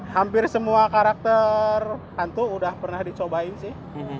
hampir semua karakter hantu udah pernah dicobain sih